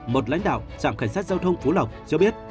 một lãnh đạo trạm cảnh sát giao thông phú lộc cho biết